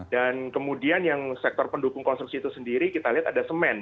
dan kemudian yang sektor pendukung konstruksi itu sendiri kita lihat ada semen